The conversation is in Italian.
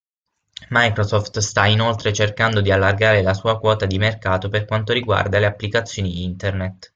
Microsoft sta inoltre cercando di allargare la sua quota di mercato per quanto riguarda le applicazioni internet.